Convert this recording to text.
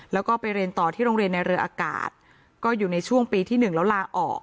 แล้วก็ไปเรียนต่อที่โรงเรียนในเรืออากาศก็อยู่ในช่วงปีที่หนึ่งแล้วลาออก